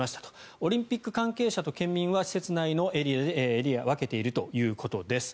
オリンピック関係者と県民は施設内のエリアを分けているということです。